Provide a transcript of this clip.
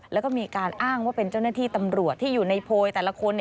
แล้วก็มีการอ้างว่าเป็นเจ้าหน้าที่ตำรวจที่อยู่ในโพยแต่ละคน